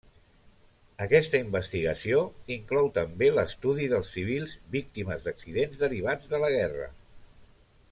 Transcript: Aquesta investigació inclou també l'estudi dels civils víctimes d'accidents derivats de la guerra.